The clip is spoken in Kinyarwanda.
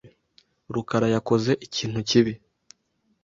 rukarayakoze ikintu kibi.